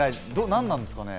何なんですかね。